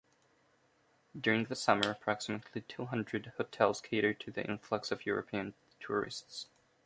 During the summer approximately two hundred hotels cater to the influx of European tourists.